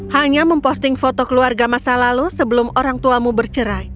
hanya memposting foto keluarga masa lalu sebelum orang tuamu bercerai